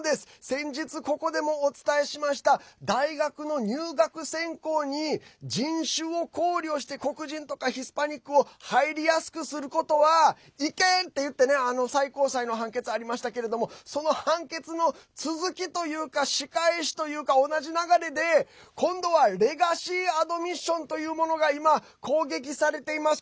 先日、ここでもお伝えしました大学の入学選考に人種を考慮して黒人とかヒスパニックを入りやすくすることはいけん！っていってね違憲と最高裁の判決がありましたけどその判決の続きというか仕返しというか、同じ流れで今度はレガシーアドミッションというものが今攻撃されています。